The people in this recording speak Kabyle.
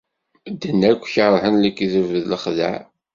Medden akk kerhen lekdeb d lexdeɛ.